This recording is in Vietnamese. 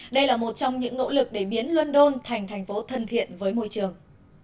đây là một trong những nỗ lực để biến london thành thành phố thân thiện với môi trường